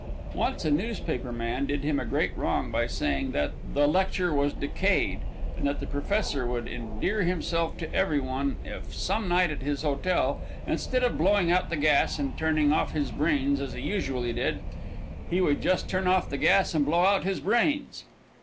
Once a newspaper man did him a great wrong by saying that "the lecture was decayed, and that the professor would endear himself to every one if some night at his hotel, instead of blowing out the gas and turning off his brains as he usually did, he would just turn off the gas and blow out his brains."